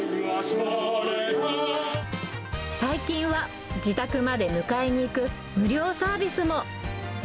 最近は自宅まで迎えに行く、無料サービスも。